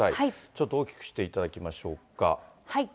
ちょっと大きくしていただきましょうか。